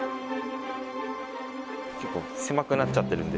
結構狭くなっちゃってるんで。